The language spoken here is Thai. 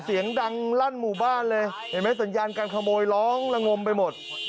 เสียงดังลั่นหมู่บ้านเลยเห็นไหมสัญญาการขโมยร้องละงมไปหมด